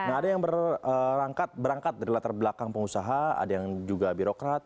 nah ada yang berangkat dari latar belakang pengusaha ada yang juga birokrat